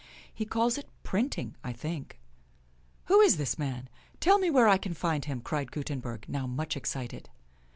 He calls it printing, I think," " Who is this man } Tell me where I can find him," cried Gutenberg, now much excited.